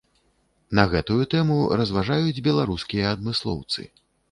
На гэтую тэму разважаюць беларускія адмыслоўцы.